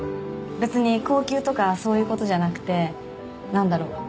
別に高級とかそういうことじゃなくてなんだろう？